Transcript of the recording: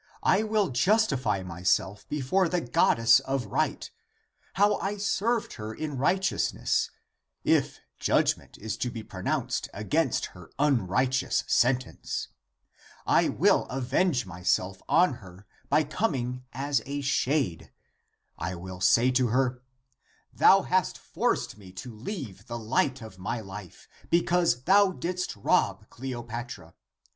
I will justify myself before the goddess of right, how I served her in righteousness, if judg ment is to be pronounced against her unrighteous sentence. I will avenge myself on her by coming as a shade. I will say to her, thou hast forced me to leave the light of life, because thou didst rob Cleopatra.